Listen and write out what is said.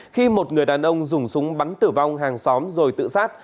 khi một người đàn ông dùng súng bắn tử vong hàng xóm rồi tự sát